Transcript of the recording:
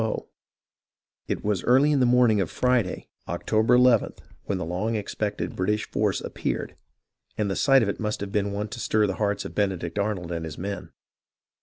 156 HISTORY OF THE AMERICAN REVOLUTION It was early in the morning of Friday, October nth, when the long expected British force appeared, and the sight of it must have been one to stir the hearts of Benedict Arnold and his men.